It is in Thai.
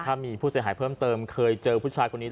ถ้ามีผู้เสียหายเพิ่มเติมเคยเจอผู้ชายคนนี้